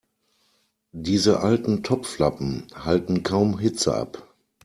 Diese alten Topflappen halten kaum Hitze ab.